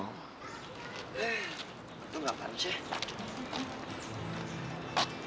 tunggu gak panas ya